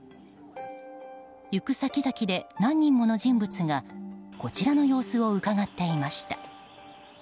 行く先々で、何人もの人物がこちらの様子をうかがっていました。